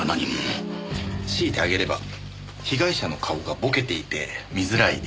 強いて挙げれば被害者の顔がぼけていて見づらいなんて。